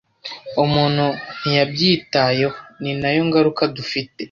Umuntu ntiyabyitayeho ninayo ngaruka dufites